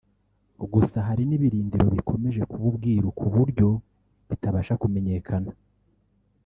Gusa hari n’ibirindiro bikomeje kuba ubwiru kuburyo ubu bitabasha kumenyekana